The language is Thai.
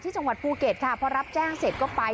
ที่จังหวัดภูเกษค่ะเพราะรับแจ้งเสร็จก็ไป